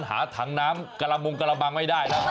หาถังน้ำกระมังไม่ได้นะครับ